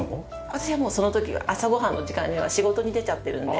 私はもうその時は朝ご飯の時間には仕事に出ちゃってるので。